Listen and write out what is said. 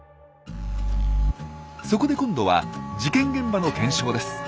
そこで今度は事件現場の検証です。